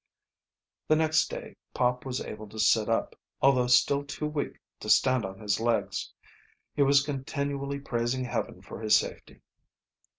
The next day Pop was able to sit up, although still too weak to stand on his legs. He was continually praising Heaven for his safety.